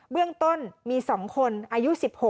เบื้องต้นมี๒คนอายุ๑๖